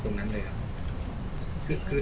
ส่วนยังแบร์ดแซมแบร์ด